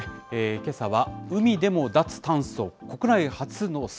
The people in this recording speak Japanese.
けさは海でも脱炭素。